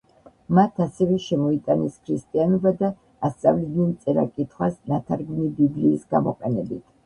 მათ ასევე შემოიტანეს ქრისტიანობა და ასწავლიდნენ წერა-კითხვას ნათარგმნი ბიბლიის გამოყენებით.